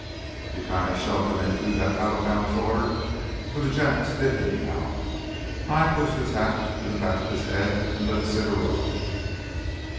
"You kinda shoved him into that out of bounds order for th' Jacks, didn't you now?" Nye pushed his hat to the back of his head and lit a cigarillo.